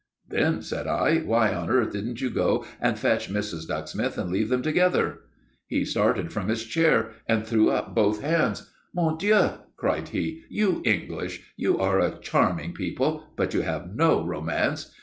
'" "Then," said I, "why on earth didn't you go and fetch Mrs. Ducksmith and leave them together?" He started from his chair and threw up both hands. "Mon Dieu!" cried he. "You English! You are a charming people, but you have no romance.